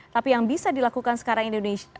tapi yang bisa dilakukan sekarang indonesia